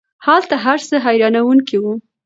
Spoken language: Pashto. هلته هر څه حیرانوونکی وو.